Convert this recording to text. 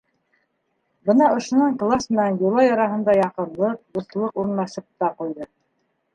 Бына ошонан класс менән Юлай араһында яҡынлыҡ, дуҫлыҡ урынлашып та ҡуйҙы.